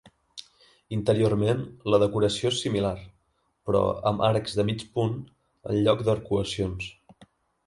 Interiorment, la decoració és similar, però amb arcs de mig punt en lloc d'arcuacions.